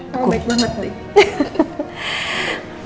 kamu baik banget nih